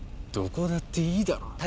どこだっていいだろ。